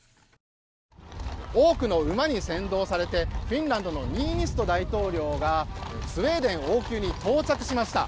多くの馬に先導されてフィンランドのニーニスト大統領がスウェーデン王宮に到着しました。